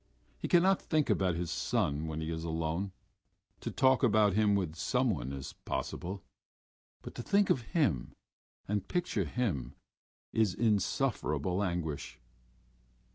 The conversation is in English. He cannot think about his son when he is alone.... To talk about him with someone is possible, but to think of him and picture him is insufferable anguish....